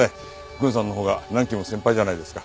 郡さんのほうが何期も先輩じゃないですか。